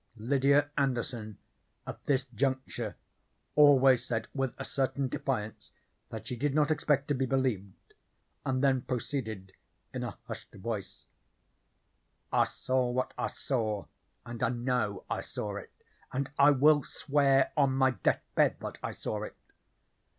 Lydia Anderson at this juncture always said with a certain defiance that she did not expect to be believed, and then proceeded in a hushed voice: "I saw what I saw, and I know I saw it, and I will swear on my death bed that I saw it.